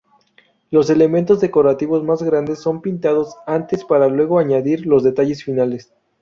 Los elementos decorativos más grandes son pintados antes para luego añadir los detalles finales.